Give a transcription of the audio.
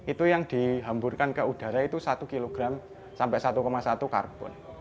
itu yang dihamburkan ke udara itu satu kg sampai satu satu karbon